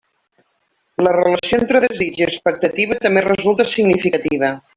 La relació entre desig i expectativa també resulta significativa.